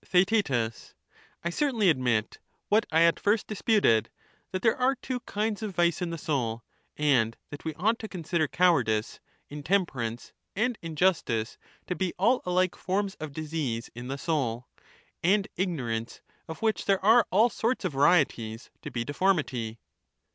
Theaet. I certainly admit what I at first disputed — ^that there are two kinds of vice in the soul, and that we ought to consider cowardice, intemperance, and injustice to be all alike forms of disease in the soul, and ignorance, of which there are all sorts of varieties, to be deformity.